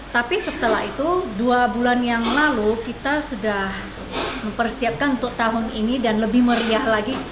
tapi setelah itu dua bulan yang lalu kita sudah mempersiapkan untuk tahun ini dan lebih meriah lagi